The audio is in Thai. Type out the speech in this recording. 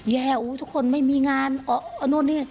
แย่ทุกคนไม่มีงานออกนู่นนี่